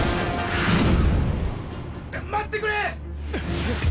待ってくれっ！！